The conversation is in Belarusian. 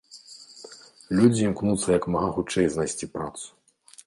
Людзі імкнуцца як мага хутчэй знайсці працу.